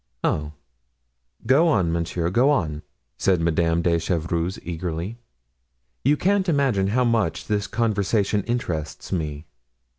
"Oh, go on, monsieur, go on!" said Madame de Chevreuse eagerly; "you can't imagine how much this conversation interests me."